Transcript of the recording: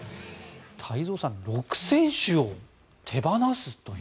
太蔵さん６選手を手放すという。